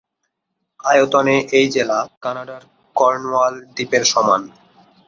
আয়তনে এই জেলা কানাডার কর্নওয়াল দ্বীপের সমান।